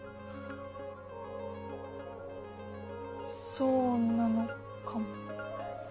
そうなのかも。